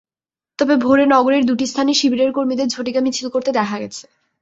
তবে ভোরে নগরের দুটি স্থানে শিবিরের কর্মীদের ঝটিকা মিছিল করতে দেখা গেছে।